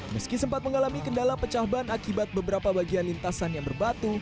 meski sempat mengalami kendala pecah ban akibat beberapa bagian lintasan yang berbatu